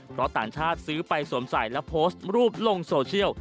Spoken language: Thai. เพราะต่างชาติซื้อไปสวมใส่และโพสต์รูปลงโซเชียล